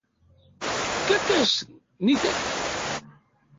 ¿Kekech nintej?